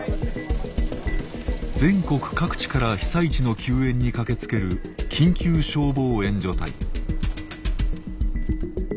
全国各地から被災地の救援に駆けつける緊急消防援助隊。